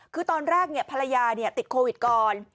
คือตอนแรกภรรยาติดโควิดก่อน